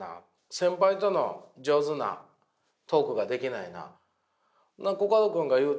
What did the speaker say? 先輩との上手なトークができないな。